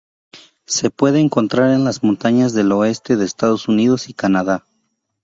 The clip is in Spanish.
Se puede encontrar en las montañas del oeste de Estados Unidos y Canadá.